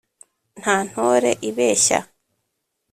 nta ntore ibeshya